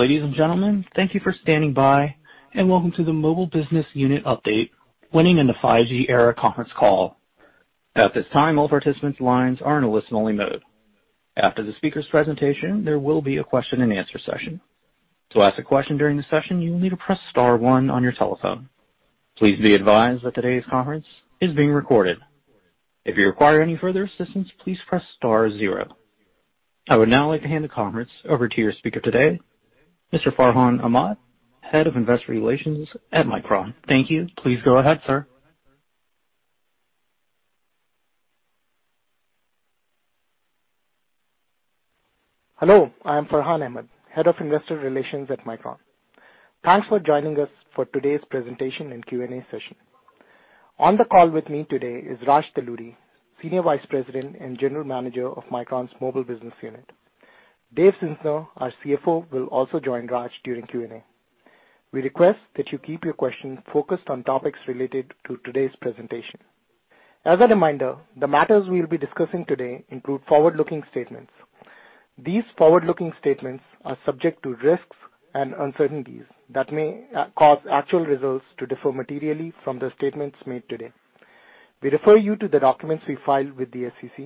Ladies and gentlemen, thank you for standing by and welcome to the Mobile Business Unit Update Winning in the 5G Era conference call. At this time, all participants' lines are in a listen-only mode. After the speaker's presentation, there will be a question and answer session. To ask a question during the session, you will need to press star one on your telephone. Please be advised that today's conference is being recorded. If you require any further assistance, please press star zero. I would now like to hand the conference over to your speaker today, Mr. Farhan Ahmad, Head of Investor Relations at Micron. Thank you. Please go ahead, sir. Hello, I am Farhan Ahmad, Head of Investor Relations at Micron. Thanks for joining us for today's presentation and Q&A session. On the call with me today is Raj Talluri, Senior Vice President and General Manager of Micron's Mobile Business Unit. Dave Zinsner, our CFO, will also join Raj during Q&A. We request that you keep your questions focused on topics related to today's presentation. As a reminder, the matters we'll be discussing today include forward-looking statements. These forward-looking statements are subject to risks and uncertainties that may cause actual results to differ materially from the statements made today. We refer you to the documents we filed with the SEC,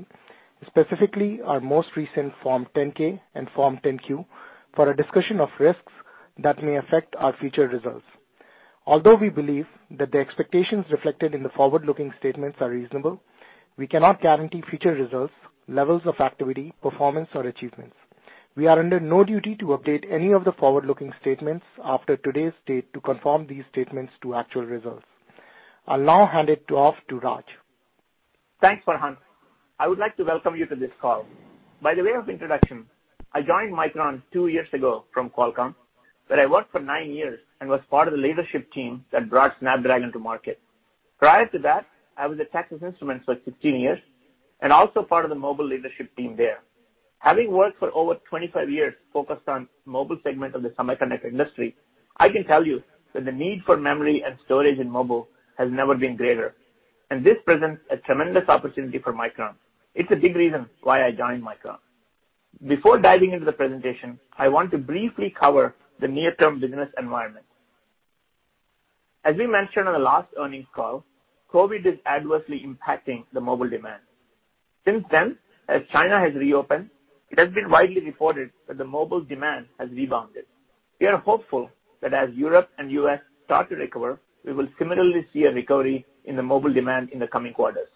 specifically our most recent Form 10-K and Form 10-Q, for a discussion of risks that may affect our future results. Although we believe that the expectations reflected in the forward-looking statements are reasonable, we cannot guarantee future results, levels of activity, performance, or achievements. We are under no duty to update any of the forward-looking statements after today's date to confirm these statements to actual results. I'll now hand it off to Raj. Thanks, Farhan. I would like to welcome you to this call. By the way of introduction, I joined Micron two years ago from Qualcomm, where I worked for nine years and was part of the leadership team that brought Snapdragon to market. Prior to that, I was at Texas Instruments for 15 years and also part of the mobile leadership team there. Having worked for over 25 years focused on mobile segment of the semiconductor industry, I can tell you that the need for memory and storage in mobile has never been greater, and this presents a tremendous opportunity for Micron. It's a big reason why I joined Micron. Before diving into the presentation, I want to briefly cover the near-term business environment. As we mentioned on the last earnings call, COVID is adversely impacting the mobile demand. Since then, as China has reopened, it has been widely reported that the mobile demand has rebounded. We are hopeful that as Europe and U.S. start to recover, we will similarly see a recovery in the mobile demand in the coming quarters.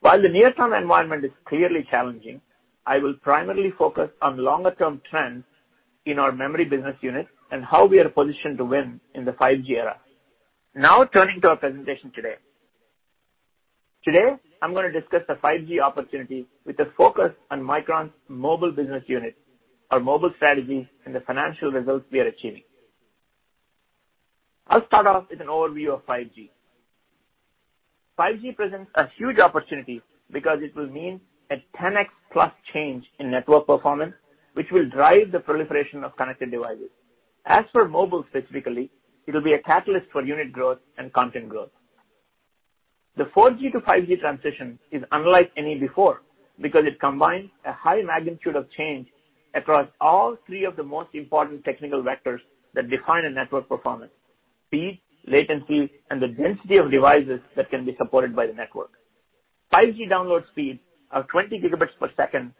While the near-term environment is clearly challenging, I will primarily focus on longer term trends in our memory business unit and how we are positioned to win in the 5G era. Turning to our presentation today. Today, I'm going to discuss the 5G opportunity with a focus on Micron's Mobile Business Unit, our mobile strategy, and the financial results we are achieving. I'll start off with an overview of 5G. 5G presents a huge opportunity because it will mean a 10x plus change in network performance, which will drive the proliferation of connected devices. As for mobile specifically, it will be a catalyst for unit growth and content growth. The 4G to 5G transition is unlike any before because it combines a high magnitude of change across all three of the most important technical vectors that define a network performance, speed, latency, and the density of devices that can be supported by the network. 5G download speeds of 20 Gb per second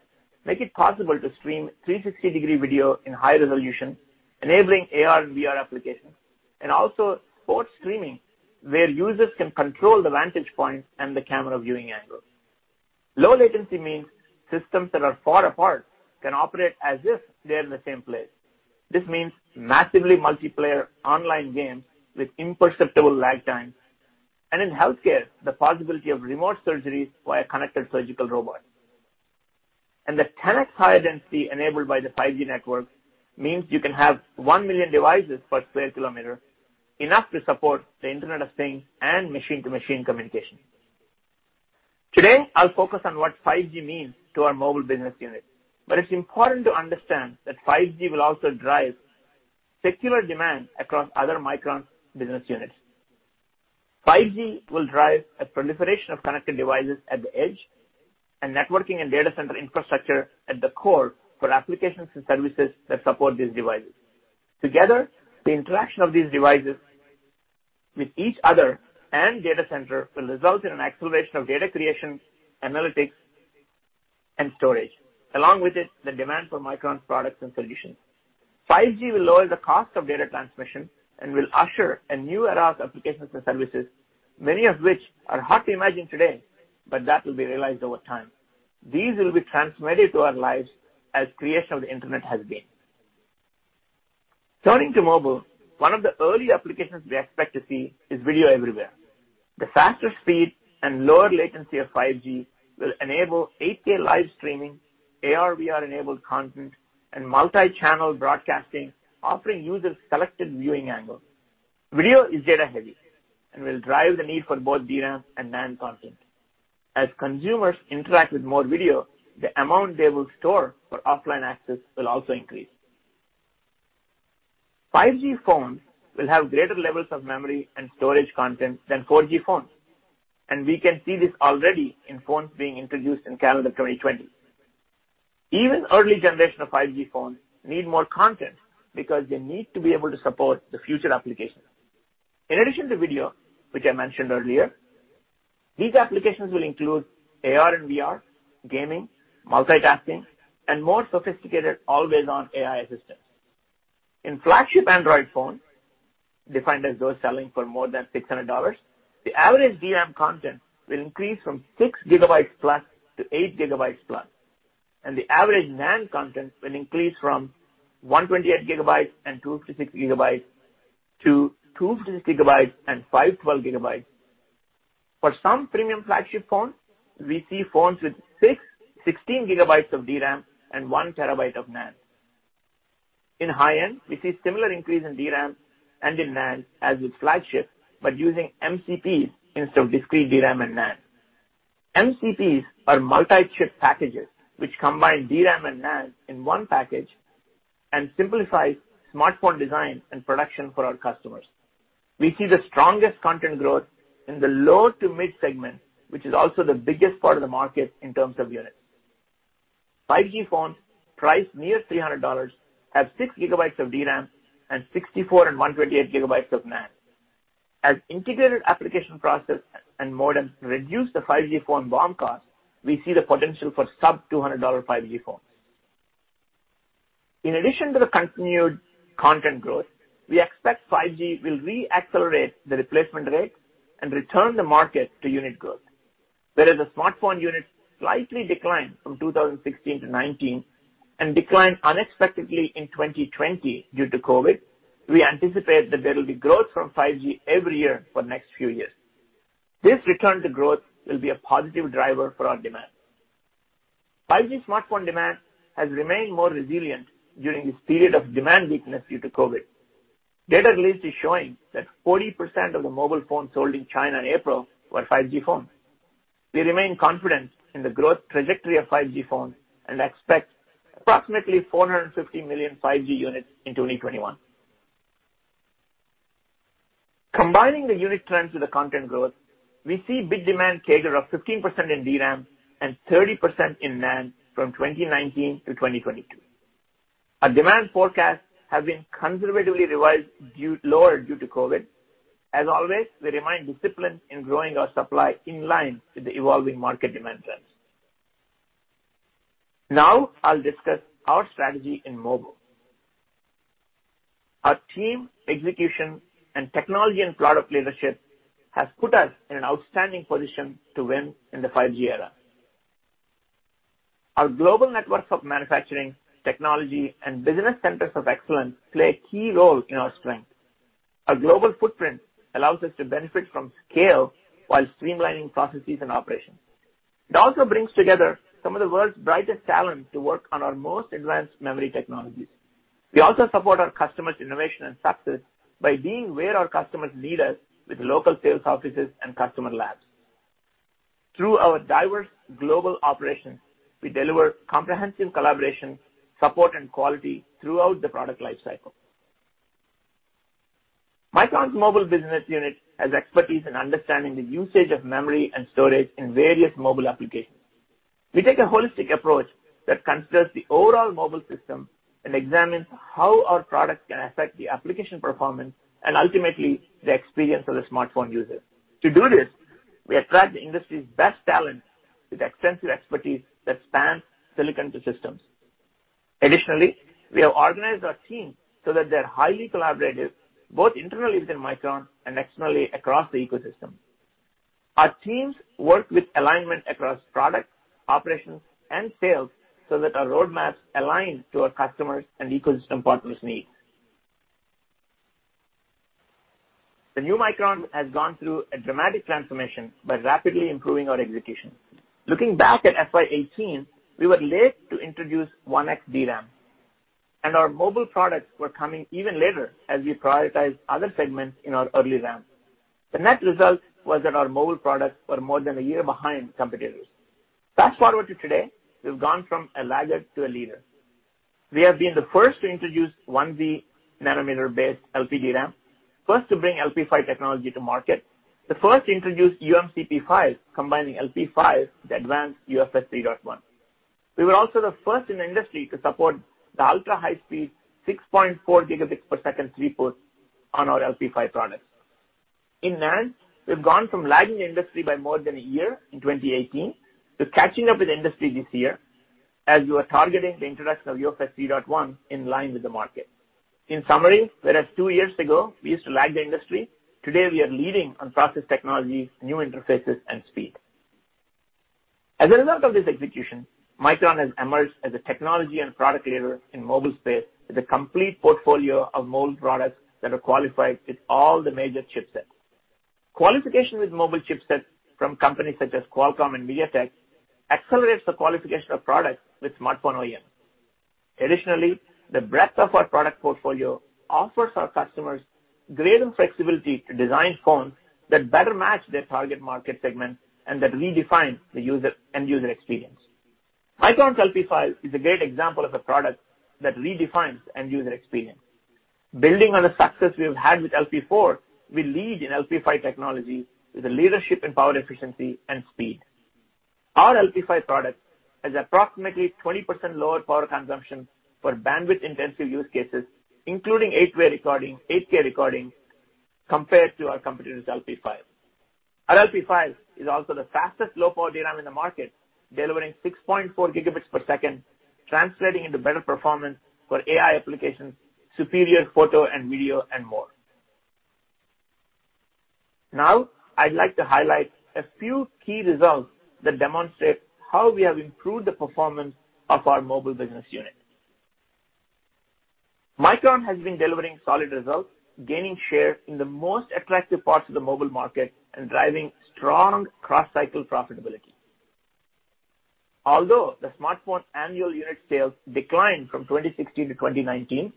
make it possible to stream 360-degree video in high resolution, enabling AR and VR applications, and also sports streaming, where users can control the vantage points and the camera viewing angles. Low latency means systems that are far apart can operate as if they are in the same place. This means massively multiplayer online games with imperceptible lag times, and in healthcare, the possibility of remote surgeries via connected surgical robots. The 10x higher density enabled by the 5G network means you can have 1 million devices per sq km, enough to support the Internet of Things and machine-to-machine communication. Today, I'll focus on what 5G means to our Mobile Business Unit, but it's important to understand that 5G will also drive secular demand across other Micron business units. 5G will drive a proliferation of connected devices at the edge and networking and data center infrastructure at the core for applications and services that support these devices. Together, the interaction of these devices with each other and data center will result in an acceleration of data creation, analytics, and storage. Along with it, the demand for Micron's products and solutions. 5G will lower the cost of data transmission and will usher a new era of applications and services, many of which are hard to imagine today, but that will be realized over time. These will be transformative to our lives as creation of the Internet has been. Turning to mobile, one of the early applications we expect to see is video everywhere. The faster speed and lower latency of 5G will enable 8K live streaming, AR/VR-enabled content, and multi-channel broadcasting, offering users selected viewing angles. Video is data heavy and will drive the need for both DRAM and NAND content. As consumers interact with more video, the amount they will store for offline access will also increase. 5G phones will have greater levels of memory and storage content than 4G phones, and we can see this already in phones being introduced in calendar 2020. Even early generation of 5G phones need more content because they need to be able to support the future applications. In addition to video, which I mentioned earlier, these applications will include AR and VR, gaming, multitasking, and more sophisticated always-on AI assistance. In flagship Android phones, defined as those selling for more than $600, the average DRAM content will increase from 6 GB plus to 8 GB plus, and the average NAND content will increase from 128 GB and 256 GB to 256 GB and 512 GB. For some premium flagship phones, we see phones with 16 GB of DRAM and one terabyte of NAND. In high-end, we see similar increase in DRAM and in NAND as with flagship, but using MCPs instead of discrete DRAM and NAND. MCPs are multi-chip packages, which combine DRAM and NAND in one package and simplifies smartphone design and production for our customers. We see the strongest content growth in the low to mid segment, which is also the biggest part of the market in terms of units. 5G phones priced near $300 have 6GB of DRAM and 64 and 128 GB of NAND. As integrated application process and modems reduce the 5G phone BOM cost, we see the potential for sub-$200 5G phones. In addition to the continued content growth, we expect 5G will re-accelerate the replacement rate and return the market to unit growth. Whereas the smartphone units slightly declined from 2016-2019 and declined unexpectedly in 2020 due to COVID, we anticipate that there will be growth from 5G every year for next few years. This return to growth will be a positive driver for our demand. 5G smartphone demand has remained more resilient during this period of demand weakness due to COVID. Data released is showing that 40% of the mobile phones sold in China in April were 5G phones. We remain confident in the growth trajectory of 5G phones and expect approximately 450 million 5G units in 2021. Combining the unit trends with the content growth, we see bit demand CAGR of 15% in DRAM and 30% in NAND from 2019 to 2022. Our demand forecast has been conservatively revised lower due to COVID. As always, we remain disciplined in growing our supply in line with the evolving market demand trends. Now I'll discuss our strategy in mobile. Our team, execution, and technology and product leadership has put us in an outstanding position to win in the 5G era. Our global networks of manufacturing, technology, and business centers of excellence play a key role in our strength. Our global footprint allows us to benefit from scale while streamlining processes and operations. It also brings together some of the world's brightest talent to work on our most advanced memory technologies. We also support our customers' innovation and success by being where our customers need us with local sales offices and customer labs. Through our diverse global operations, we deliver comprehensive collaboration, support, and quality throughout the product life cycle. Micron's Mobile Business Unit has expertise in understanding the usage of memory and storage in various mobile applications. We take a holistic approach that considers the overall mobile system and examines how our product can affect the application performance and ultimately the experience of the smartphone user. To do this, we attract the industry's best talent with extensive expertise that span silicon to systems. Additionally, we have organized our teams so that they are highly collaborative, both internally within Micron and externally across the ecosystem. Our teams work with alignment across product, operations, and sales that our roadmaps align to our customers and ecosystem partners' needs. The new Micron has gone through a dramatic transformation by rapidly improving our execution. Looking back at FY 2018, we were late to introduce 1x DRAM, our mobile products were coming even later as we prioritized other segments in our early ramp. The net result was that our mobile products were more than a year behind competitors. Fast-forward to today, we've gone from a laggard to a leader. We have been the first to introduce 1-beta nanometer based LP DRAM, first to bring LP5 technology to market, the first to introduce uMCP5, combining LP5 with advanced UFS 3.1. We were also the first in the industry to support the ultra-high speed 6.4 Gb per second throughput on our LP5 products. In NAND, we've gone from lagging the industry by more than a year in 2018 to catching up with the industry this year as we are targeting the introduction of UFS 3.1 in line with the market. In summary, whereas two years ago, we used to lag the industry, today we are leading on process technology, new interfaces, and speed. As a result of this execution, Micron has emerged as a technology and product leader in mobile space with a complete portfolio of mobile products that are qualified with all the major chipsets. Qualification with mobile chipsets from companies such as Qualcomm and MediaTek accelerates the qualification of products with smartphone OEMs. Additionally, the breadth of our product portfolio offers our customers greater flexibility to design phones that better match their target market segment and that redefine the end user experience. Micron's LP5 is a great example of a product that redefines end user experience. Building on the success we have had with LP4, we lead in LP5 technology with the leadership in power efficiency and speed. Our LP5 product has approximately 20% lower power consumption for bandwidth intensive use cases, including 8K recording compared to our competitor's LP5. Our LP5 is also the fastest low-power DRAM in the market, delivering 6.4 Gbps, translating into better performance for AI applications, superior photo and video, and more. Now, I'd like to highlight a few key results that demonstrate how we have improved the performance of our mobile business unit. Micron has been delivering solid results, gaining share in the most attractive parts of the mobile market, and driving strong cross-cycle profitability. Although the smartphone annual unit sales declined from 2016 to 2019,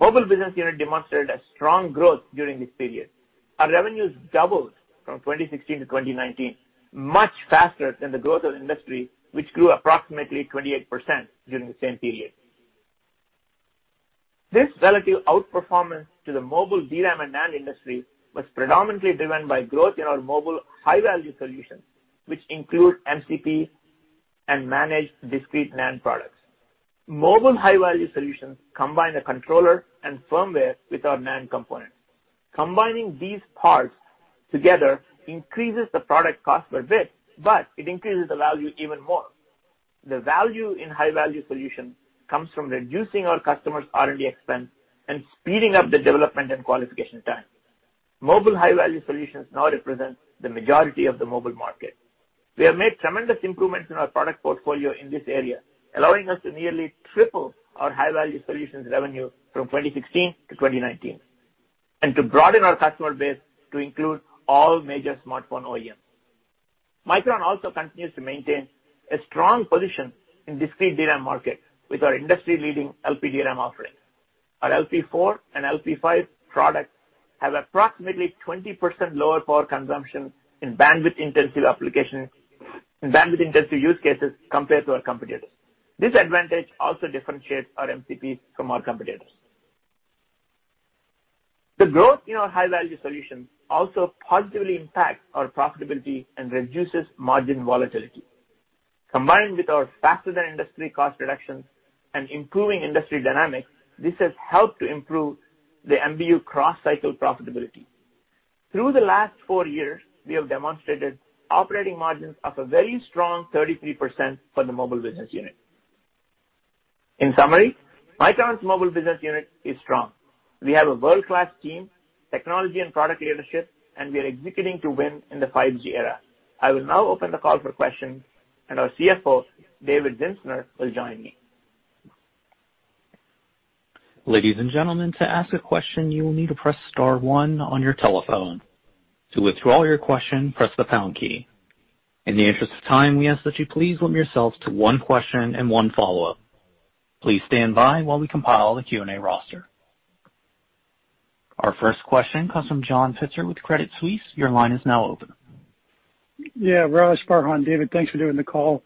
Mobile Business Unit demonstrated a strong growth during this period. Our revenues doubled from 2016 to 2019, much faster than the growth of the industry, which grew approximately 28% during the same period. This relative outperformance to the mobile DRAM and NAND industry was predominantly driven by growth in our mobile high-value solutions, which include MCP and managed discrete NAND products. Mobile high-value solutions combine the controller and firmware with our NAND component. Combining these parts together increases the product cost per bit, but it increases the value even more. The value in high-value solution comes from reducing our customers' R&D expense and speeding up the development and qualification time. Mobile high-value solutions now represent the majority of the mobile market. We have made tremendous improvements in our product portfolio in this area, allowing us to nearly triple our high-value solutions revenue from 2016 to 2019, and to broaden our customer base to include all major smartphone OEMs. Micron also continues to maintain a strong position in discrete DRAM market with our industry-leading LP DRAM offerings. Our LP4 and LP5 products have approximately 20% lower power consumption in bandwidth intensive use cases compared to our competitors. This advantage also differentiates our MCPs from our competitors. The growth in our high-value solutions also positively impacts our profitability and reduces margin volatility. Combined with our faster than industry cost reductions and improving industry dynamics, this has helped to improve the MBU cross-cycle profitability. Through the last four years, we have demonstrated operating margins of a very strong 33% for the Mobile Business Unit. In summary, Micron's Mobile Business Unit is strong. We have a world-class team, technology and product leadership, and we are executing to win in the 5G era. I will now open the call for questions, and our CFO, David Zinsner, will join me. Ladies and gentlemen, to ask a question, you will need to press star one on your telephone. To withdraw your question, press the pound key. In the interest of time, we ask that you please limit yourself to one question and one follow-up. Please stand by while we compile the Q&A roster. Our first question comes from John Pitzer with Credit Suisse. Your line is now open. Yeah. Raj, Farhan, David, thanks for doing the call.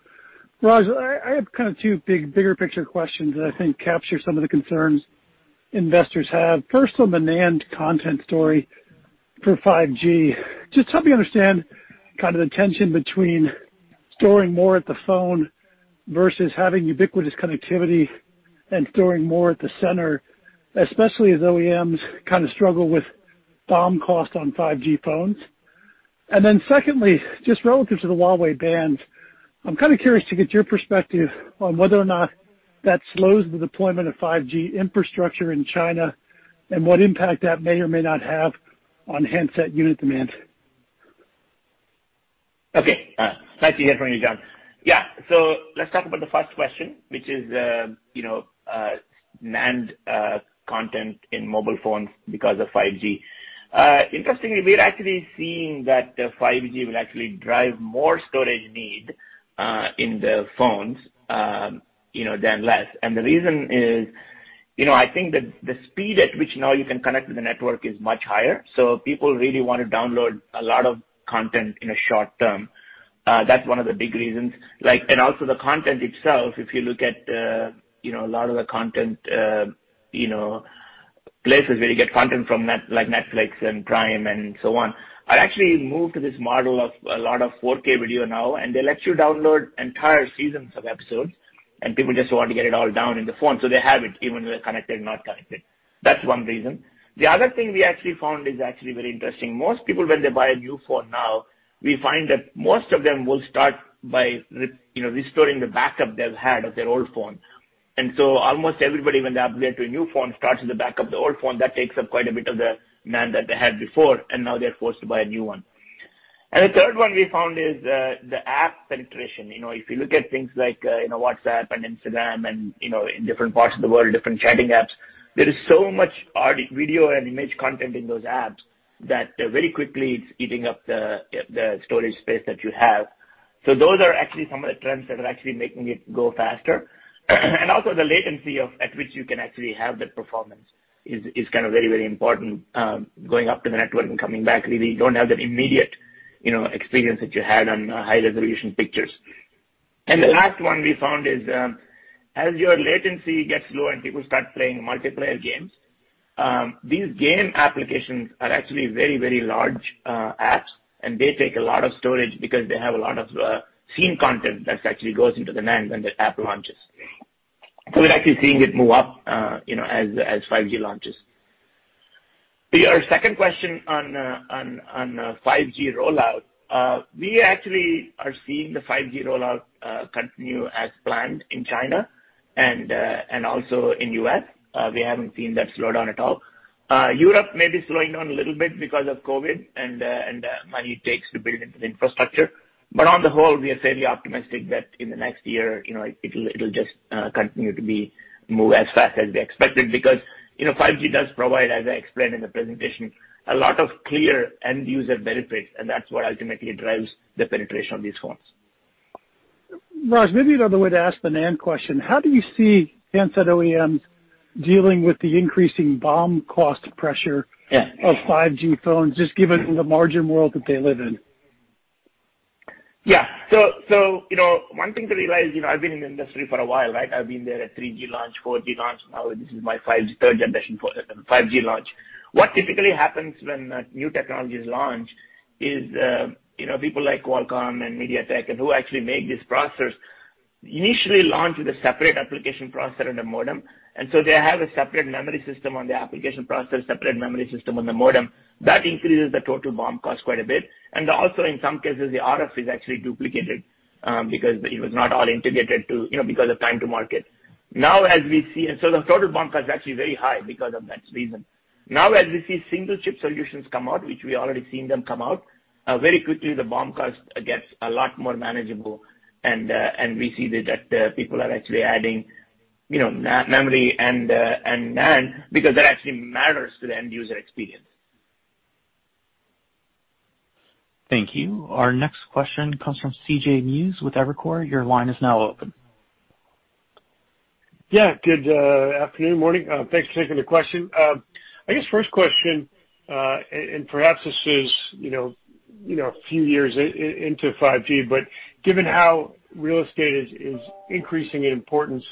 Raj, I have kind of two bigger picture questions that I think capture some of the concerns investors have. First on the NAND content story for 5G. Just help me understand kind of the tension between storing more at the phone versus having ubiquitous connectivity and storing more at the center, especially as OEMs kind of struggle with BOM cost on 5G phones. Secondly, just relative to the Huawei ban, I'm kind of curious to get your perspective on whether or not that slows the deployment of 5G infrastructure in China and what impact that may or may not have on handset unit demand. Okay. Nice to hear from you, John. Yeah. Let's talk about the first question, which is, NAND content in mobile phones because of 5G. Interestingly, we are actually seeing that 5G will actually drive more storage need in the phones, than less. The reason is, I think that the speed at which now you can connect to the network is much higher, so people really want to download a lot of content in a short term. That's one of the big reasons. Also the content itself, if you look at a lot of the places where you get content from, like Netflix and Prime and so on, are actually moved to this model of a lot of 4K video now. They let you download entire seasons of episodes, and people just want to get it all down in the phone. They have it even when they're connected, not connected. That's one reason. The other thing we actually found is actually very interesting. Most people, when they buy a new phone now, we find that most of them will start by restoring the backup they've had of their old phone. Almost everybody, when they upgrade to a new phone, starts with the backup of the old phone. That takes up quite a bit of the NAND that they had before, and now they're forced to buy a new one. The third one we found is the app penetration. If you look at things like WhatsApp and Instagram and in different parts of the world, different chatting apps, there is so much video and image content in those apps that very quickly it's eating up the storage space that you have. Those are actually some of the trends that are actually making it go faster. Also the latency at which you can actually have that performance is very important. Going up to the network and coming back, really don't have that immediate experience that you had on high-resolution pictures. The last one we found is, as your latency gets low and people start playing multiplayer games, these game applications are actually very large apps and they take a lot of storage because they have a lot of scene content that actually goes into the NAND when the app launches. We're actually seeing it move up as 5G launches. To your second question on 5G rollout, we actually are seeing the 5G rollout continue as planned in China and also in U.S. We haven't seen that slow down at all. Europe may be slowing down a little bit because of COVID and the money it takes to build the infrastructure. On the whole, we are fairly optimistic that in the next year, it'll just continue to move as fast as we expected because 5G does provide, as I explained in the presentation, a lot of clear end user benefits and that's what ultimately drives the penetration of these phones. Raj, maybe another way to ask the NAND question. How do you see handset OEMs dealing with the increasing BOM cost pressure? Yeah of 5G phones, just given the margin world that they live in? Yeah. One thing to realize, I've been in the industry for a while. I've been there at 3G launch, 4G launch. Now this is my third generation, 5G launch. What typically happens when new technologies launch is people like Qualcomm and MediaTek and who actually make these processors, initially launch with a separate application processor and a modem, they have a separate memory system on the application processor, a separate memory system on the modem. That increases the total BOM cost quite a bit and also in some cases the RF is actually duplicated because it was not all integrated because of time to market. The total BOM cost is actually very high because of that reason. Now as we see single chip solutions come out, which we already seen them come out, very quickly the BOM cost gets a lot more manageable and we see that people are actually adding memory and NAND because that actually matters to the end user experience. Thank you. Our next question comes from CJ Muse with Evercore. Your line is now open. Yeah. Good afternoon, morning. Thanks for taking the question. I guess first question, and perhaps this is a few years into 5G, but given how real estate is increasing in importance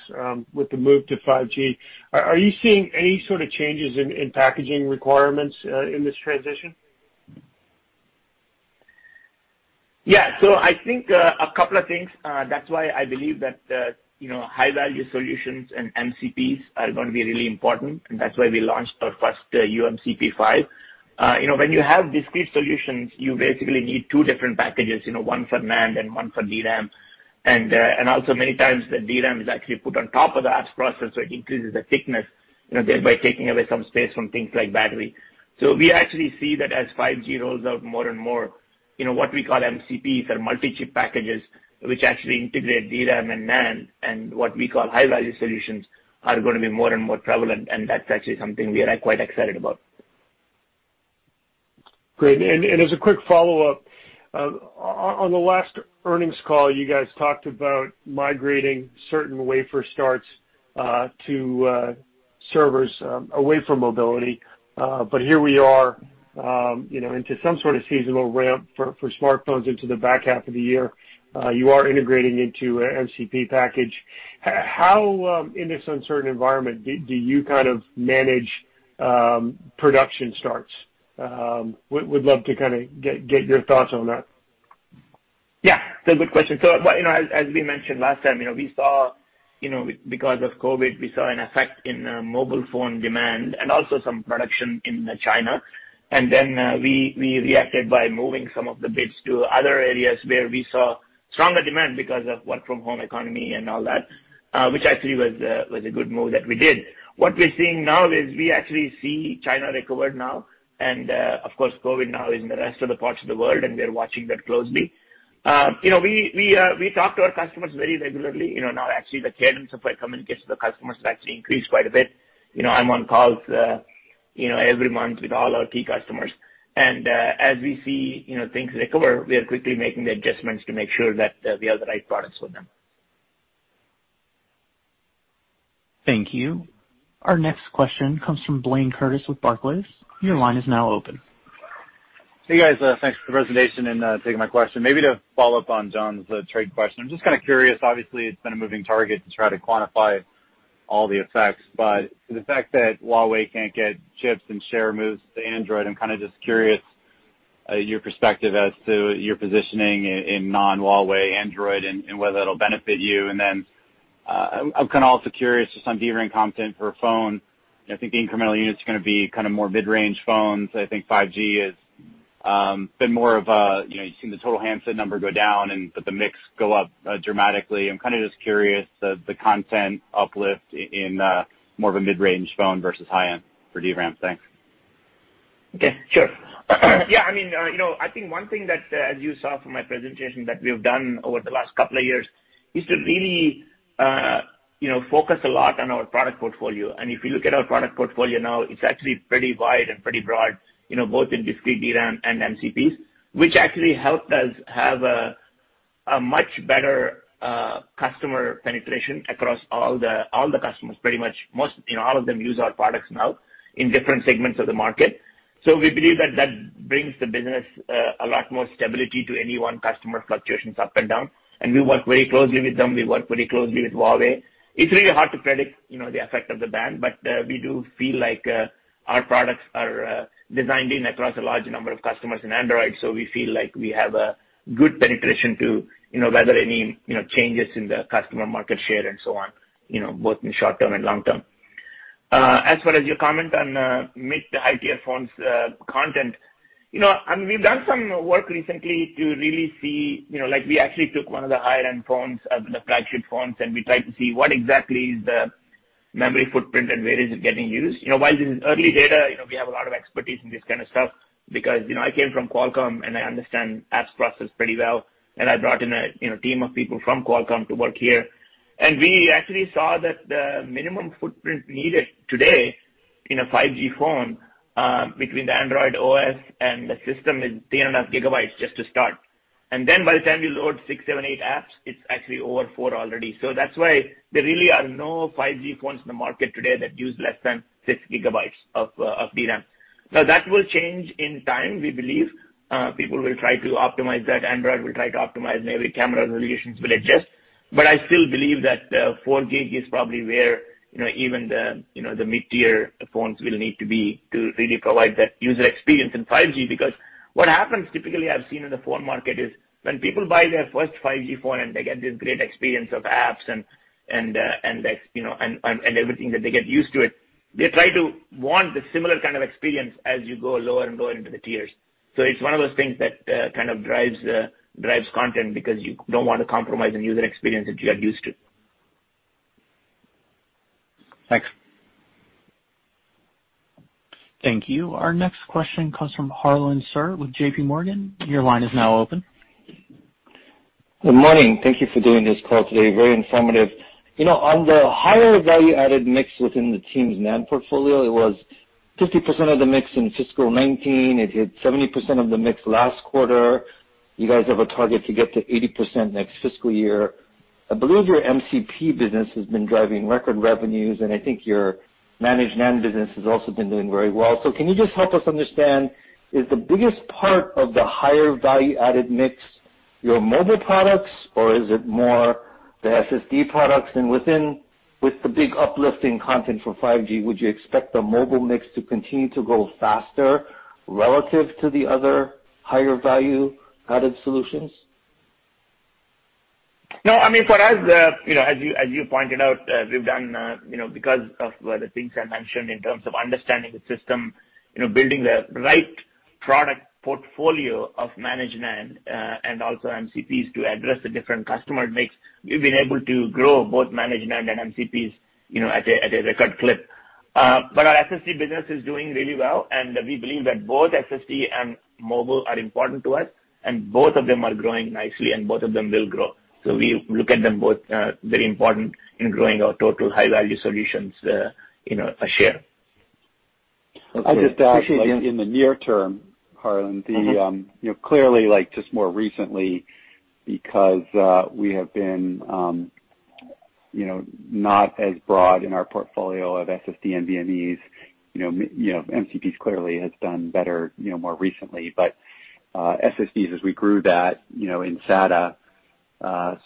with the move to 5G, are you seeing any sort of changes in packaging requirements in this transition? Yeah. I think a couple of things. That's why I believe that high value solutions and MCPs are going to be really important, and that's why we launched our first uMCP5. When you have discrete solutions, you basically need two different packages, one for NAND and one for DRAM. Also many times the DRAM is actually put on top of the apps processor, it increases the thickness, thereby taking away some space from things like battery. We actually see that as 5G rolls out more and more, what we call MCPs or multi-chip packages, which actually integrate DRAM and NAND and what we call high value solutions, are going to be more and more prevalent and that's actually something we are quite excited about. Great. As a quick follow-up, on the last earnings call you guys talked about migrating certain wafer starts to servers away from mobility. Here we are into some sort of seasonal ramp for smartphones into the back half of the year. You are integrating into a MCP package. How, in this uncertain environment, do you manage production starts? Would love to get your thoughts on that. It's a good question. As we mentioned last time, because of COVID we saw an effect in mobile phone demand and also some production in China. Then, we reacted by moving some of the bits to other areas where we saw stronger demand because of work from home economy and all that, which actually was a good move that we did. What we are seeing now is we actually see China recovered now. Of course, COVID now is in the rest of the parts of the world and we are watching that closely. We talk to our customers very regularly. Actually the cadence of our communication with the customers has actually increased quite a bit. I'm on calls every month with all our key customers. As we see things recover, we are quickly making the adjustments to make sure that we have the right products for them. Thank you. Our next question comes from Blayne Curtis with Barclays. Your line is now open. Hey, guys. Thanks for the presentation and taking my question. Maybe to follow up on John's trade question. I'm just kind of curious, obviously it's been a moving target to try to quantify all the effects, but to the fact that Huawei can't get chips and share moves to Android, I'm kind of just curious your perspective as to your positioning in non-Huawei Android and whether it'll benefit you. I'm kind of also curious just on DRAM content for phone. I think the incremental unit is going to be kind of more mid-range phones. I think 5G has been more of, you've seen the total handset number go down but the mix go up dramatically. I'm kind of just curious the content uplift in more of a mid-range phone versus high-end for DRAM. Thanks. Yeah, sure. Yeah. I think one thing that, as you saw from my presentation, that we've done over the last couple of years is to really focus a lot on our product portfolio. If you look at our product portfolio now, it's actually pretty wide and pretty broad, both in discrete DRAM and MCPs, which actually helped us have a much better customer penetration across all the customers, pretty much all of them use our products now in different segments of the market. We believe that brings the business a lot more stability to any one customer fluctuations up and down. We work very closely with them. We work pretty closely with Huawei. It's really hard to predict the effect of the ban, but we do feel like our products are designed in across a large number of customers in Android, so we feel like we have a good penetration to whether any changes in the customer market share and so on, both in short term and long term. As far as your comment on mid-tier phones content, we've done some work recently to really see, like we actually took one of the higher-end phones, the flagship phones, and we tried to see what exactly is the memory footprint and where is it getting used. While this is early data, we have a lot of expertise in this kind of stuff because I came from Qualcomm and I understand apps process pretty well, and I brought in a team of people from Qualcomm to work here. We actually saw that the minimum footprint needed today in a 5G phone, between the Android OS and the system, is three and a half gigabytes just to start. By the time you load six, seven, eight apps, it's actually over four already. That's why there really are no 5G phones in the market today that use less than six gigabytes of DRAM. That will change in time, we believe. People will try to optimize that. Android will try to optimize, memory camera resolutions will adjust. I still believe that four gig is probably where even the mid-tier phones will need to be to really provide that user experience in 5G. What happens typically, I've seen in the phone market, is when people buy their first 5G phone and they get this great experience of apps and everything that they get used to it, they try to want the similar kind of experience as you go lower and lower into the tiers. It's one of those things that kind of drives content because you don't want to compromise the user experience that you are used to. Thanks. Thank you. Our next question comes from Harlan Sur with JPMorgan. Your line is now open. Good morning. Thank you for doing this call today. Very informative. On the higher value-added mix within the team's NAND portfolio, it was 50% of the mix in fiscal 2019. It hit 70% of the mix last quarter. You guys have a target to get to 80% next fiscal year. I believe your MCP business has been driving record revenues, and I think your managed NAND business has also been doing very well. Can you just help us understand, is the biggest part of the higher value-added mix your mobile products, or is it more the SSD products? With the big uplift in content for 5G, would you expect the mobile mix to continue to grow faster relative to the other higher value-added solutions? As you pointed out, because of the things I mentioned in terms of understanding the system, building the right product portfolio of managed NAND and also MCPs to address the different customer mix, we've been able to grow both managed NAND and MCPs at a record clip. Our SSD business is doing really well, and we believe that both SSD and mobile are important to us, and both of them are growing nicely, and both of them will grow. We look at them both, very important in growing our total high-value solutions share. Okay. I'll just add, in the near term, Harlan- Clearly, just more recently, because we have been not as broad in our portfolio of SSD and NVMEs, MCPs clearly has done better more recently. SSDs, as we grew that in SATA,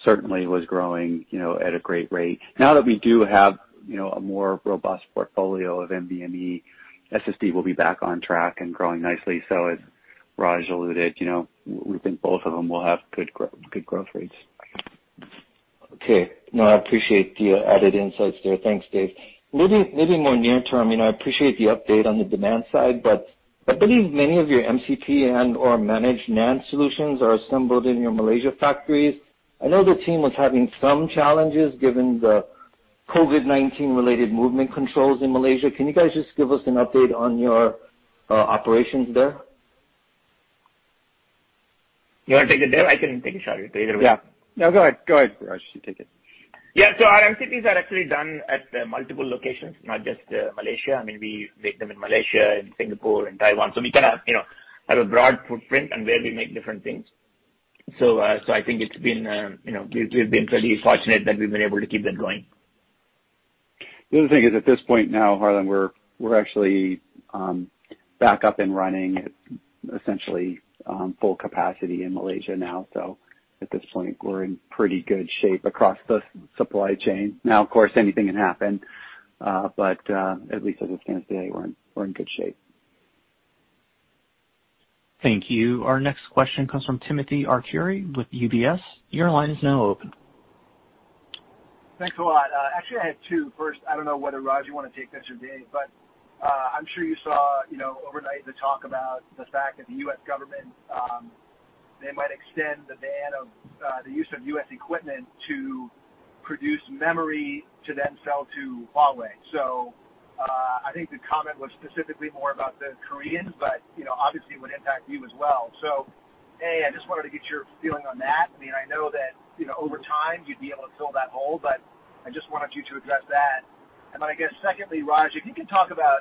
certainly was growing at a great rate. Now that we do have a more robust portfolio of NVMe, SSD will be back on track and growing nicely. As Raj alluded, we think both of them will have good growth rates. Okay. No, I appreciate the added insights there. Thanks, Dave. Maybe more near term, I appreciate the update on the demand side. I believe many of your MCP and/or managed NAND solutions are assembled in your Malaysia factories. I know the team was having some challenges given the COVID-19 related movement controls in Malaysia. Can you guys just give us an update on your operations there? You want to take it, Dave? I can take a shot at it, either way. Yeah. No, go ahead, Raj. You take it. Yeah. Our MCPs are actually done at multiple locations, not just Malaysia. We make them in Malaysia, in Singapore and Taiwan. I think we've been pretty fortunate that we've been able to keep them going. The other thing is, at this point now, Harlan, we're actually back up and running at essentially full capacity in Malaysia now. At this point, we're in pretty good shape across the supply chain. Of course, anything can happen, but at least as of today, we're in good shape. Thank you. Our next question comes from Timothy Arcuri with UBS. Your line is now open. Thanks a lot. Actually, I have two. First, I don't know whether, Raj, you want to take this or Dave, but I'm sure you saw overnight the talk about the fact that the U.S. government, they might extend the ban of the use of U.S. equipment to produce memory to then sell to Huawei. I think the comment was specifically more about the Koreans, but obviously it would impact you as well. A, I just wanted to get your feeling on that. I know that over time you'd be able to fill that hole, but I just wanted you to address that. I guess secondly, Raj, if you could talk about.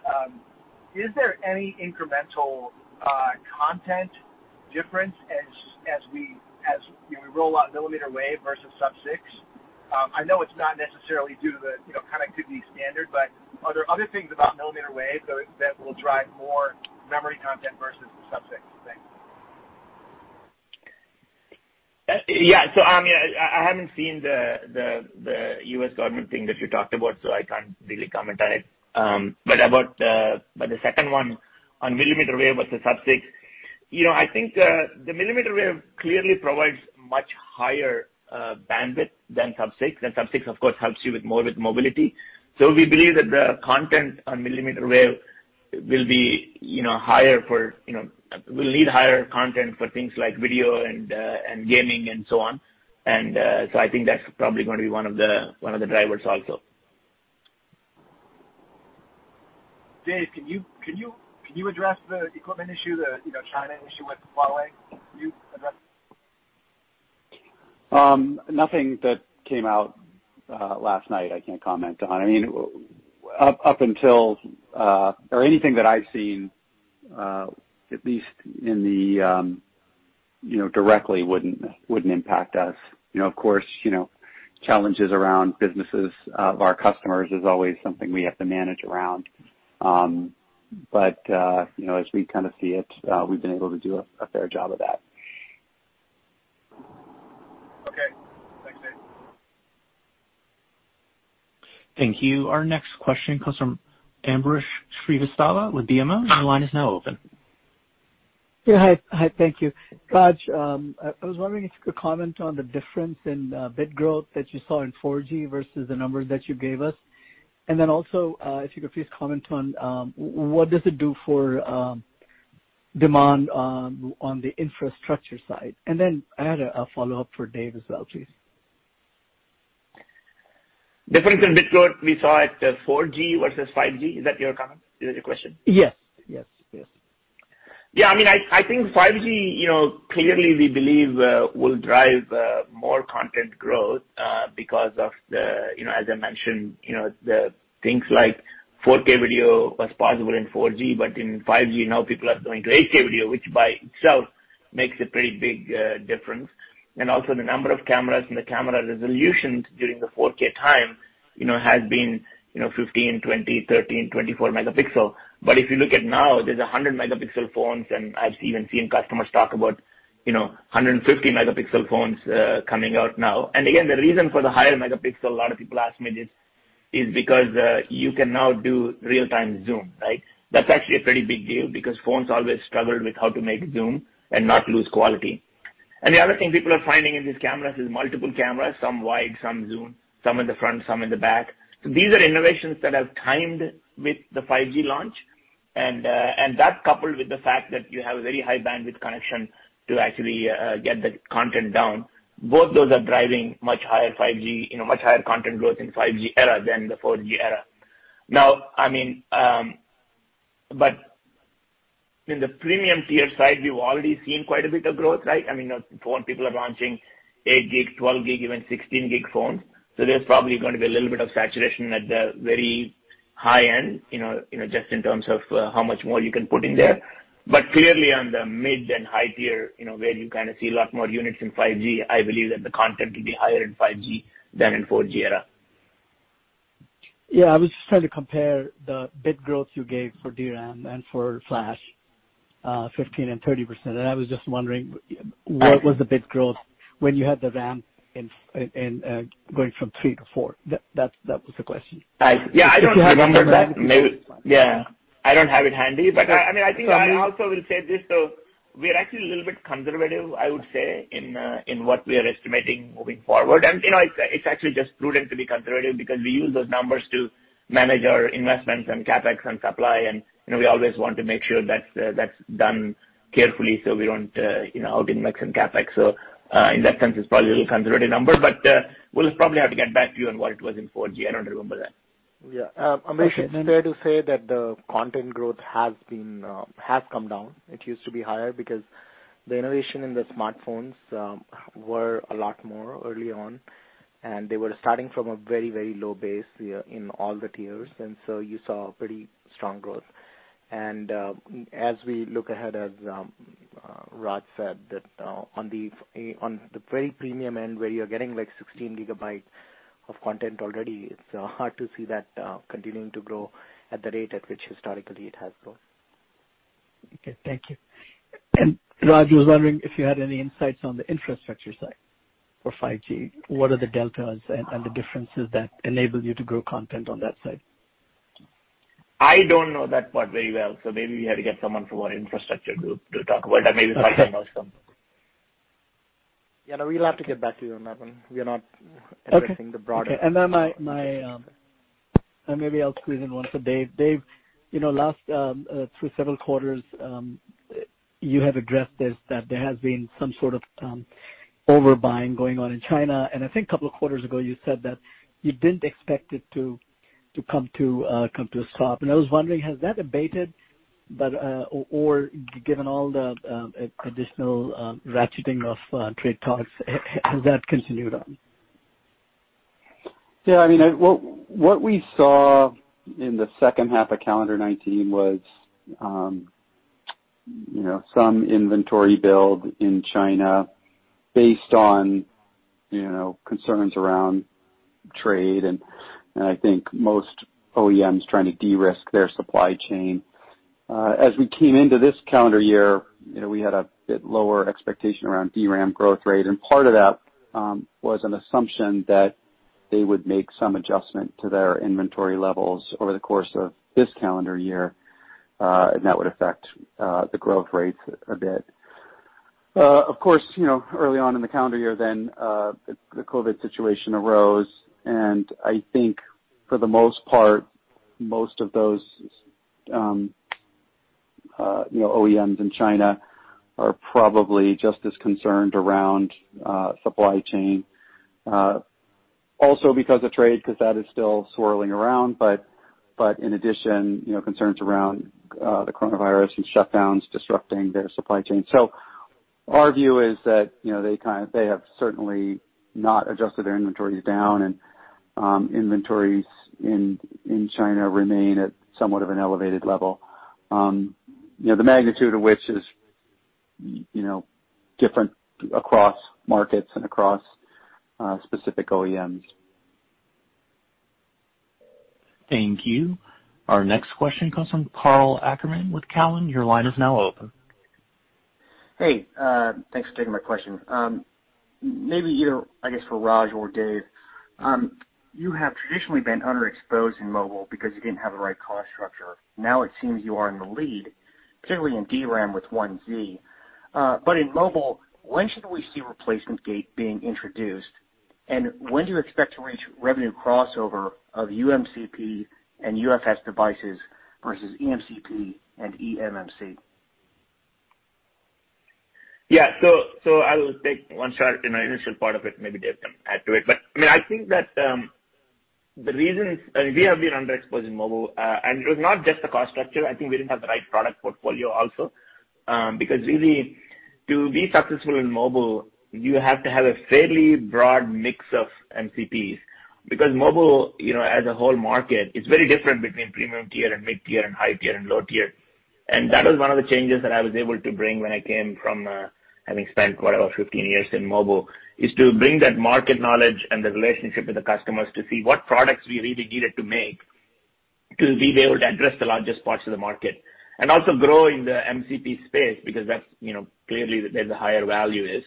Is there any incremental content difference as we roll out millimeter wave versus sub-6? I know it's not necessarily due to the connectivity standard, but are there other things about millimeter wave that will drive more memory content versus the sub-6 thing? I haven't seen the U.S. government thing that you talked about, so I can't really comment on it. About the second one on millimeter wave versus sub-6, I think the millimeter wave clearly provides much higher bandwidth than sub-6, and sub-6, of course, helps you more with mobility. We believe that the content on millimeter wave will need higher content for things like video and gaming and so on. I think that's probably going to be one of the drivers also. Dave, can you address the equipment issue, the China issue with Huawei? Can you address it? Nothing that came out last night I can't comment on. Anything that I've seen, at least directly, wouldn't impact us. Of course, challenges around businesses of our customers is always something we have to manage around. As we kind of see it, we've been able to do a fair job of that. Okay. Thanks, Dave. Thank you. Our next question comes from Ambrish Srivastava with BMO. Your line is now open. Yeah, hi. Thank you. Raj, I was wondering if you could comment on the difference in bit growth that you saw in 4G versus the numbers that you gave us? Also, if you could please comment on what does it do for demand on the infrastructure side? I had a follow-up for Dave as well, please. Difference in bit growth we saw at 4G versus 5G, is that your comment? Is that your question? Yes. Yeah, I think 5G, clearly we believe, will drive more content growth because of the, as I mentioned, the things like 4K video was possible in 4G, but in 5G now people are going to 8K video, which by itself makes a pretty big difference. Also the number of cameras and the camera resolutions during the 4K time has been 15, 20, 30, and 24 megapixel. If you look at now, there's 100-megapixel phones, and I've even seen customers talk about 150-megapixel phones coming out now. Again, the reason for the higher megapixel, a lot of people ask me this, is because you can now do real-time zoom, right? That's actually a pretty big deal because phones always struggled with how to make zoom and not lose quality. The other thing people are finding in these cameras is multiple cameras, some wide, some zoom, some in the front, some in the back. These are innovations that have timed with the 5G launch. That coupled with the fact that you have a very high bandwidth connection to actually get the content down, both those are driving much higher content growth in 5G era than the 4G era. In the premium tier side, we've already seen quite a bit of growth, right? Phone people are launching 8 gig, 12 gig, even 16 gig phones. There's probably going to be a little bit of saturation at the very high end, just in terms of how much more you can put in there. Clearly on the mid and high tier, where you kind of see a lot more units in 5G, I believe that the content will be higher in 5G than in 4G era. Yeah, I was just trying to compare the bit growth you gave for DRAM and for flash, 15% and 30%. I was just wondering what was the bit growth when you had the DRAM going from three to four. That was the question. Yeah, I don't remember that. I don't have it handy, but I think I also will say this, so we are actually a little bit conservative, I would say, in what we are estimating moving forward. It's actually just prudent to be conservative because we use those numbers to manage our investments and CapEx and supply, and we always want to make sure that's done carefully so we don't out invest in CapEx. In that sense, it's probably a little conservative number, but we'll probably have to get back to you on what it was in 4G. I don't remember that. Yeah. Ambrish, it's fair to say that the content growth has come down. It used to be higher because the innovation in the smartphones were a lot more early on, and they were starting from a very low base in all the tiers, and so you saw pretty strong growth. As we look ahead, as Raj said, that on the very premium end where you're getting 16 GB of content already, it's hard to see that continuing to grow at the rate at which historically it has grown. Okay. Thank you. Raj, I was wondering if you had any insights on the infrastructure side for 5G. What are the deltas and the differences that enable you to grow content on that side? I don't know that part very well. Maybe we have to get someone from our infrastructure group to talk about that. Maybe sometime or something. Yeah, we'll have to get back to you on that one. We are not addressing the broader- Okay. Maybe I'll squeeze in one for Dave. Dave, through several quarters, you have addressed this, that there has been some sort of overbuying going on in China, and I think a couple of quarters ago, you said that you didn't expect it to come to a stop. I was wondering, has that abated, or given all the additional ratcheting of trade talks, has that continued on? Yeah, what we saw in the second half of calendar 2019 was some inventory build in China based on concerns around trade and I think most OEMs trying to de-risk their supply chain. As we came into this calendar year, we had a bit lower expectation around DRAM growth rate, and part of that was an assumption that they would make some adjustment to their inventory levels over the course of this calendar year, and that would affect the growth rates a bit. Of course, early on in the calendar year then, the COVID situation arose, and I think for the most part, most of those OEMs in China are probably just as concerned around supply chain. Also because of trade, because that is still swirling around, but in addition, concerns around the coronavirus and shutdowns disrupting their supply chain. Our view is that they have certainly not adjusted their inventories down and inventories in China remain at somewhat of an elevated level. The magnitude of which is different across markets and across specific OEMs. Thank you. Our next question comes from Karl Ackerman with Cowen. Your line is now open. Hey, thanks for taking my question. Maybe either, I guess, for Raj or Dave. You have traditionally been underexposed in mobile because you didn't have the right cost structure. Now it seems you are in the lead, particularly in DRAM with 1Z. In mobile, when should we see replacement gate being introduced? When do you expect to reach revenue crossover of uMCP and UFS devices versus eMCP and eMMC? Yeah. I will take one shot in the initial part of it, maybe Dave can add to it. I think that the reasons we have been underexposed in mobile, and it was not just the cost structure, I think we didn't have the right product portfolio also. Really, to be successful in mobile, you have to have a fairly broad mix of MCPs. Mobile as a whole market is very different between premium tier and mid-tier and high tier and low tier. That was one of the changes that I was able to bring when I came from having spent, what, about 15 years in mobile, is to bring that market knowledge and the relationship with the customers to see what products we really needed to make to be able to address the largest parts of the market. Also growing the MCP space because that's clearly where the higher value is,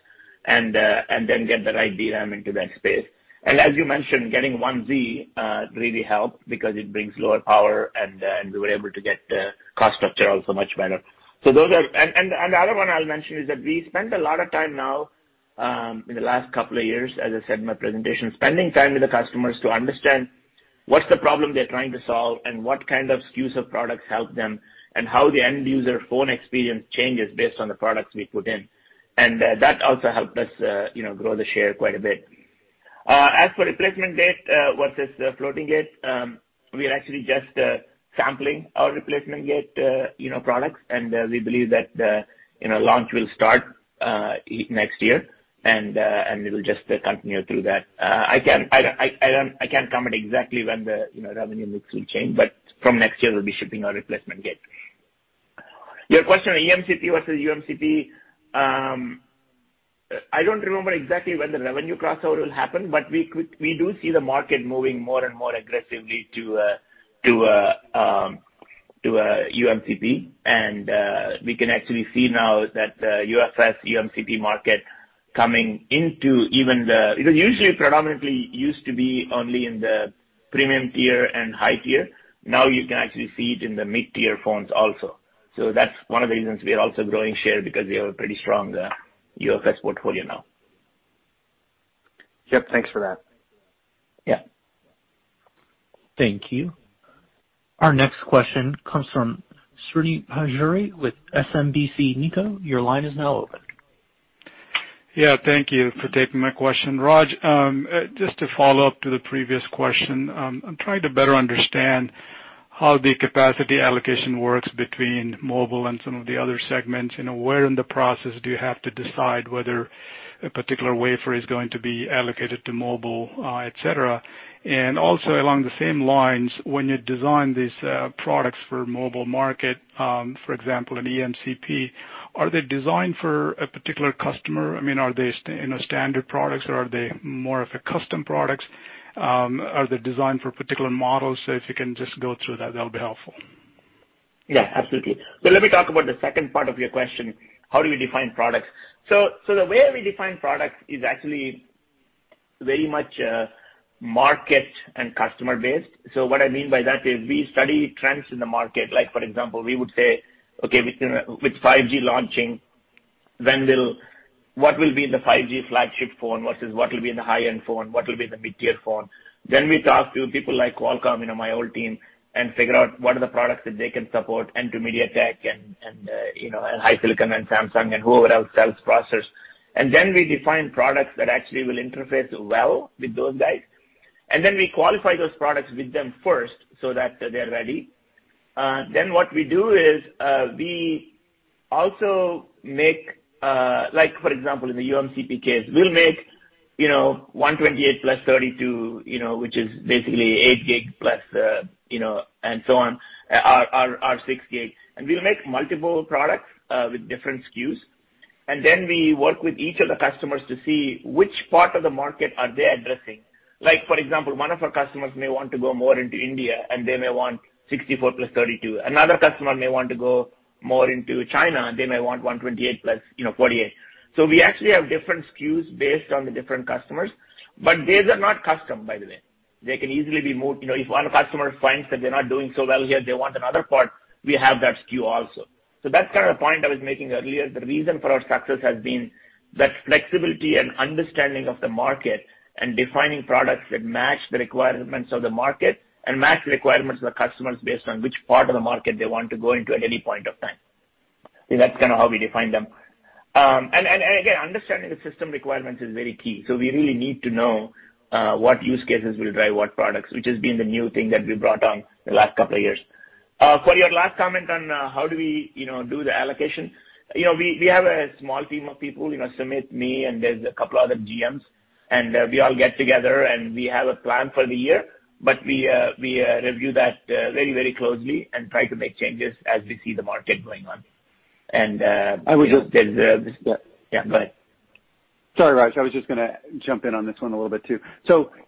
and then get the right DRAM into that space. As you mentioned, getting 1Z really helped because it brings lower power and we were able to get the cost structure also much better. The other one I'll mention is that we spent a lot of time now, in the last couple of years, as I said in my presentation, spending time with the customers to understand what's the problem they're trying to solve and what kind of SKUs of products help them, and how the end user phone experience changes based on the products we put in. That also helped us grow the share quite a bit. As for replacement gate versus floating gate, we are actually just sampling our replacement gate products. We believe that launch will start next year. It will just continue through that. I can't comment exactly when the revenue mix will change. From next year, we'll be shipping our replacement gate. Your question on eMCP versus uMCP, I don't remember exactly when the revenue crossover will happen. We do see the market moving more and more aggressively to uMCP. We can actually see now that UFS, uMCP market. It usually predominantly used to be only in the premium tier and high tier. Now you can actually see it in the mid-tier phones also. That's one of the reasons we are also growing share because we have a pretty strong UFS portfolio now. Yep, thanks for that. Yeah. Thank you. Our next question comes from Srini Pajjuri with SMBC Nikko. Your line is now open. Yeah, thank you for taking my question. Raj, just to follow up to the previous question. I'm trying to better understand how the capacity allocation works between mobile and some of the other segments. Where in the process do you have to decide whether a particular wafer is going to be allocated to mobile, et cetera? Also along the same lines, when you design these products for mobile market, for example, an eMCP, are they designed for a particular customer? I mean, are they standard products or are they more of a custom products? Are they designed for particular models? If you can just go through that'll be helpful. Yeah, absolutely. Let me talk about the second part of your question. How do we define products? The way we define products is actually very much market and customer based. What I mean by that is we study trends in the market. Like for example, we would say, okay, with 5G launching, what will be the 5G flagship phone versus what will be the high-end phone, what will be the mid-tier phone? We talk to people like Qualcomm, my old team, and figure out what are the products that they can support and to MediaTek and HiSilicon and Samsung and whoever else sells processors. We define products that actually will interface well with those guys. We qualify those products with them first so that they're ready. What we do is we Also make, for example, in the uMCP case, we'll make 128 plus 32, which is basically 8 gig plus, and so on, or 6 gig. We'll make multiple products with different SKUs. We work with each of the customers to see which part of the market are they addressing. For example, one of our customers may want to go more into India, and they may want 64 plus 32. Another customer may want to go more into China, and they may want 128 plus 48. We actually have different SKUs based on the different customers. These are not custom, by the way. They can easily be moved. If one customer finds that they're not doing so well here, they want another part, we have that SKU also. That's kind of the point I was making earlier. The reason for our success has been that flexibility and understanding of the market and defining products that match the requirements of the market and match the requirements of the customers based on which part of the market they want to go into at any point of time. That's kind of how we define them. Again, understanding the system requirements is very key. We really need to know what use cases will drive what products, which has been the new thing that we brought on the last couple of years. For your last comment on how do we do the allocation, we have a small team of people, Sumit, me, and there's a couple other GMs, and we all get together, and we have a plan for the year. We review that very closely and try to make changes as we see the market going on. I would just. Yeah, go ahead. Sorry, Raj. I was just going to jump in on this one a little bit, too.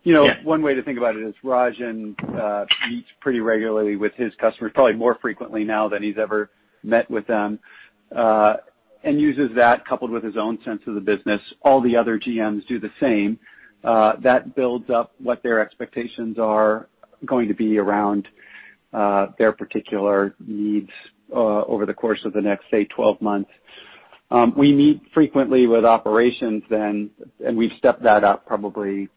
Yeah. One way to think about it is Raj meets pretty regularly with his customers, probably more frequently now than he's ever met with them, and uses that coupled with his own sense of the business. All the other GMs do the same. That builds up what their expectations are going to be around their particular needs over the course of the next, say, 12 months. We meet frequently with operations, and we've stepped that up probably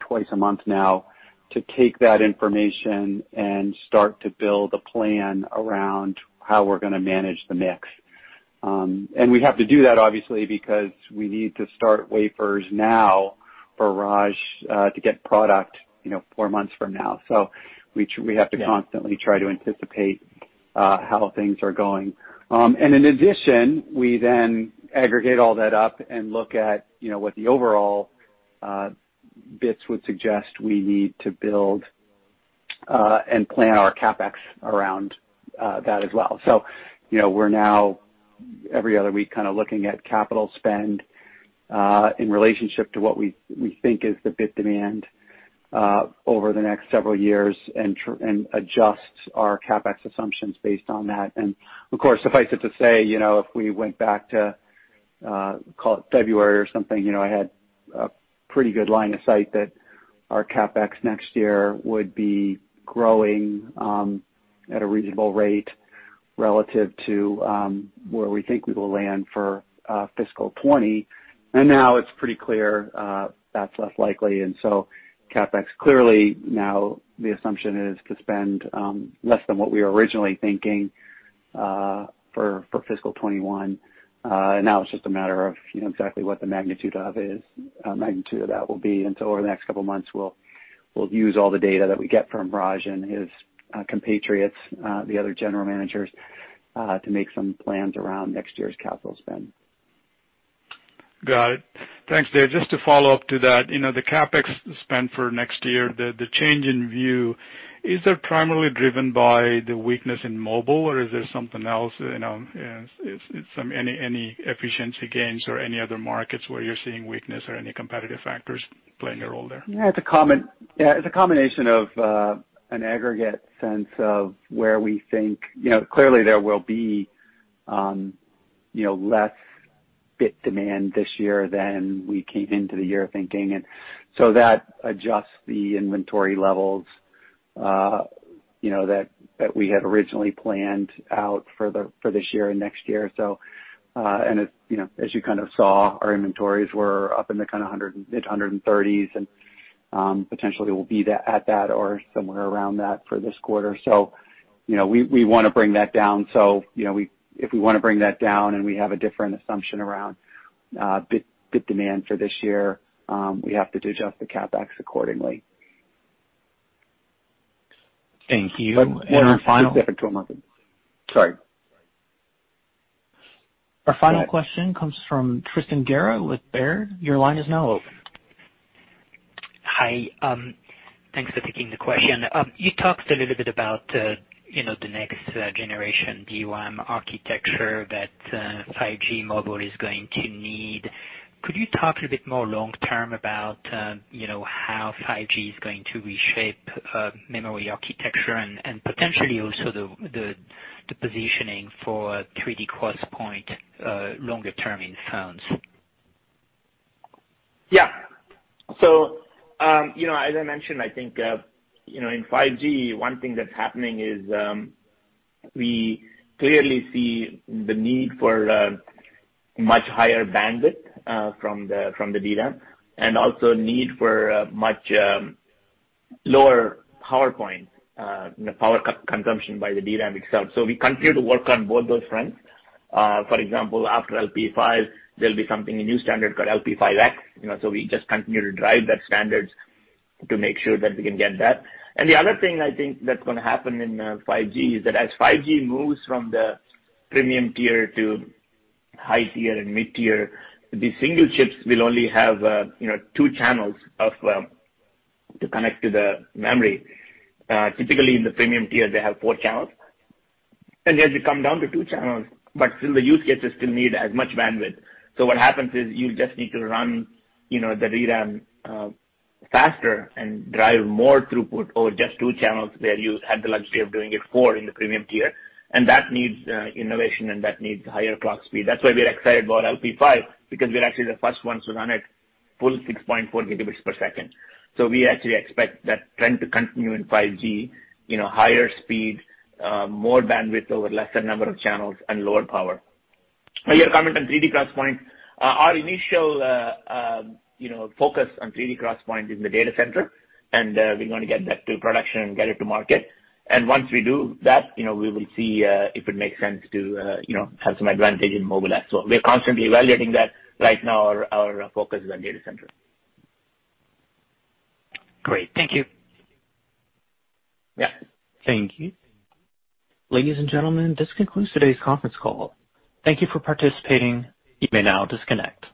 twice a month now to take that information and start to build a plan around how we're going to manage the mix. We have to do that obviously because we need to start wafers now for Raj to get product four months from now. We have to constantly try to anticipate how things are going. In addition, we then aggregate all that up and look at what the overall bits would suggest we need to build and plan our CapEx around that as well. We're now every other week kind of looking at capital spend in relationship to what we think is the bit demand over the next several years and adjust our CapEx assumptions based on that. Of course, suffice it to say, if we went back to call it February or something, I had a pretty good line of sight that our CapEx next year would be growing at a reasonable rate relative to where we think we will land for fiscal 2020. Now it's pretty clear that's less likely, and so CapEx, clearly now the assumption is to spend less than what we were originally thinking for fiscal 2021. Now it's just a matter of exactly what the magnitude of that will be. Over the next couple of months, we'll use all the data that we get from Raj and his compatriots, the other general managers, to make some plans around next year's capital spend. Got it. Thanks, Dave. Just to follow up to that, the CapEx spend for next year, the change in view, is that primarily driven by the weakness in mobile, or is there something else? Any efficiency gains or any other markets where you're seeing weakness or any competitive factors playing a role there? Yeah, it's a combination of an aggregate sense of where we think there will be less bit demand this year than we came into the year thinking. That adjusts the inventory levels that we had originally planned out for this year and next year. As you kind of saw, our inventories were up in the kind of mid 130s, and potentially will be at that or somewhere around that for this quarter. We want to bring that down. If we want to bring that down and we have a different assumption around bit demand for this year, we have to adjust the CapEx accordingly. Thank you. Sorry. Our final question comes from Tristan Gerra with Baird. Your line is now open. Hi. Thanks for taking the question. You talked a little bit about the next generation DRAM architecture that 5G mobile is going to need. Could you talk a little bit more long term about how 5G is going to reshape memory architecture and potentially also the positioning for 3D XPoint longer term in phones? As I mentioned, I think in 5G, one thing that's happening is we clearly see the need for much higher bandwidth from the DRAM and also need for much lower power consumption by the DRAM itself. We continue to work on both those fronts. For example, after LP5, there'll be something, a new standard called LP5X. We just continue to drive that standard to make sure that we can get that. The other thing I think that's going to happen in 5G is that as 5G moves from the premium tier to high tier and mid tier, the single chips will only have two channels to connect to the memory. Typically, in the premium tier, they have four channels, and they had to come down to two channels, but still the use cases still need as much bandwidth. What happens is you just need to run the DRAM faster and drive more throughput over just two channels where you had the luxury of doing it four in the premium tier. That needs innovation and that needs higher clock speed. That's why we're excited about LP5, because we're actually the first ones to run it full 6.4 Gb per second. We actually expect that trend to continue in 5G, higher speed, more bandwidth over lesser number of channels, and lower power. Your comment on 3D XPoint, our initial focus on 3D XPoint is in the data center, and we want to get that to production and get it to market. Once we do that, we will see if it makes sense to have some advantage in mobile as well. We're constantly evaluating that. Right now, our focus is on data center. Great. Thank you. Yeah. Thank you. Ladies and gentlemen, this concludes today's conference call. Thank you for participating. You may now disconnect.